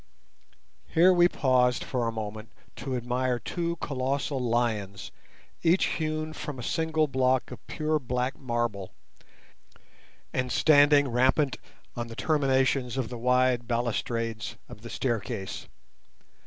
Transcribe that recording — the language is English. Here we paused for a moment to admire two colossal lions, each hewn from a single block of pure black marble, and standing rampant on the terminations of the wide balustrades of the staircase.